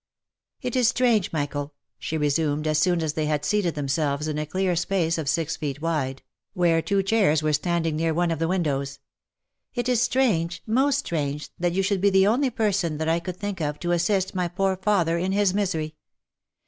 " It is strange, Michael," she resumed, as soon as they had seated themselves in a clear space of six feet' wide, where two chairs were standing near one of the windows, —" it is strange, most strange, that you should be the only person that I could think of to assist my poor father in his misery